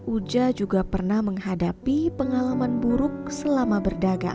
uja juga pernah menghadapi pengalaman buruk selama berdagang